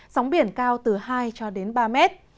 sóng biển cao từ hai cho đến ba mét